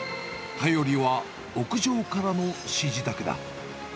頼りは屋上からの指示だけだ。